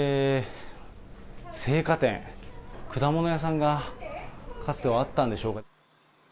青果店、果物屋さんがかつてはあったんでしょうか。